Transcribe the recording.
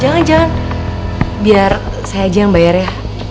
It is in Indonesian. jangan jangan biar saya aja yang bayar ya